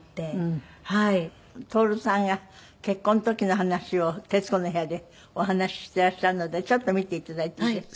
徹さんが結婚の時の話を『徹子の部屋』でお話ししていらっしゃるのでちょっと見て頂いていいですか？